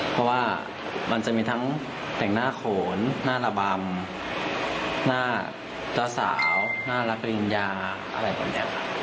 เพราะว่ามันจะมีทั้งแต่งหน้าโขนหน้าระบำหน้าเจ้าสาวน่ารักปริญญาอะไรแบบนี้